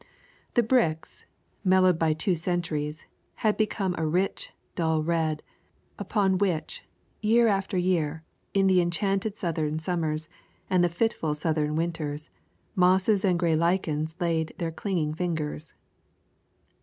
The bricks, mellowed by two centuries, had become a rich, dull red, upon which, year after year, in the enchanted Southern summers and the fitful Southern winters, mosses and gray lichens laid their clinging fingers.